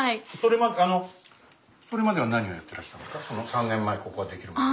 ３年前ここが出来るまで。